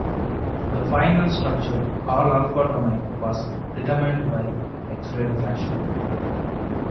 The final structure, all alpha domain, was determined by x-ray diffraction.